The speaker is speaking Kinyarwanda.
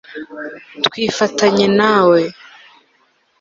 twifatanye na we